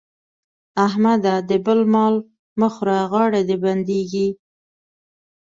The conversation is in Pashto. احمده! د بل مال مه خوره غاړه دې بندېږي.